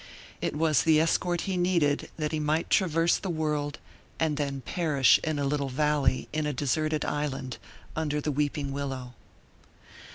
It was the escort he needed that he might traverse the world, and then perish in a little valley in a deserted island, under the weeping willow.